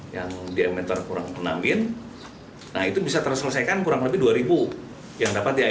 yang diementor kurang penangin nah itu bisa terselesaikan kurang lebih dua yang dapat diairi